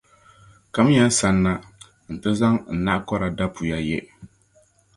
Kamiya n sanna nti zaŋ n naɣikɔra dapua ye.